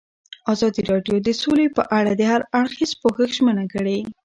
ازادي راډیو د سوله په اړه د هر اړخیز پوښښ ژمنه کړې.